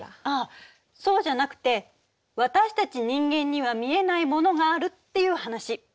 あっそうじゃなくて私たち人間には見えないものがあるっていう話。